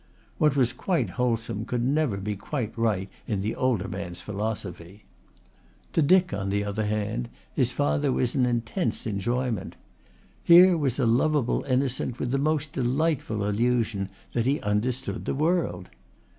What was quite wholesome could never be quite right in the older man's philosophy. To Dick, on the other hand, his father was an intense enjoyment. Here was a lovable innocent with the most delightful illusion that he understood the world.